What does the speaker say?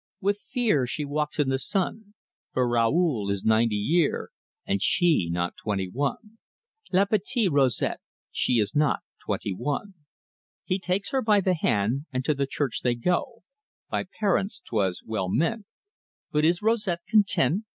With fear she walks in the sun, For Raoul is ninety year, And she not twenty one. La petit' Rosette, She is not twenty one. "He takes her by the hand, And to the church they go; By parents 'twas well meant, But is Rosette content?